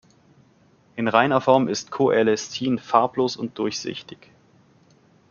In reiner Form ist Coelestin farblos und durchsichtig.